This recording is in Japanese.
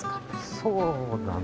そうだね。